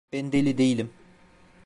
Ben deli değilim.